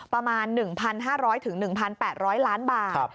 ประมาณ๑๕๐๐๑๘๐๐ล้านบาท